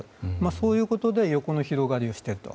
そういうことで横の広がりをしていると。